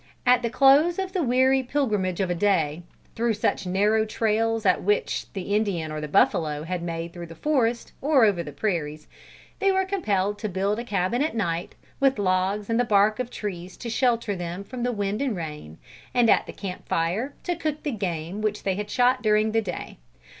At the close of the weary pilgrimage of a day, through such narrow trails as that which the Indian or the buffalo had made through the forest, or over the prairies, they were compelled to build a cabin at night, with logs and the bark of trees to shelter them from the wind and rain, and at the camp fire to cook the game which they had shot during the day.